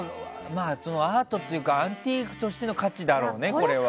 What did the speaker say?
まあ、アートというかアンティークとしての価値だろうね、これは。